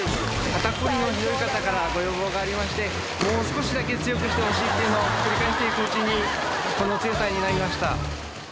肩こりのひどい方からご要望がありましてもう少しだけ強くしてほしいっていうのを繰り返していくうちにこの強さになりました。